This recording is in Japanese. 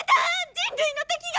人類の敵が！